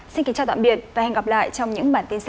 xin kính chào tạm biệt và hẹn gặp lại trong những bản tin sau